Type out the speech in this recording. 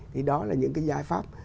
thì đó là những cái giải pháp